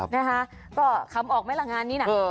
นะคะก็คำออกไหมล่ะงานนี้นะ